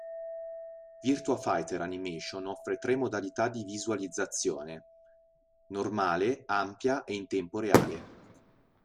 Virtua Fighter Animation offre tre modalità di visualizzazione: normale, ampia, e in tempo reale.